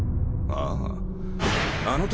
ああ。